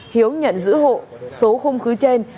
hiếu nhận giữ hộ số hung khí trên